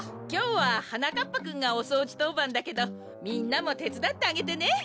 きょうははなかっぱくんがおそうじとうばんだけどみんなもてつだってあげてね！